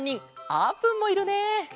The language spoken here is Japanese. あーぷんもいるね！